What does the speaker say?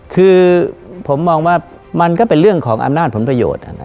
คือผมมองว่ามันก็เป็นเรื่องของอำนาจผลประโยชน์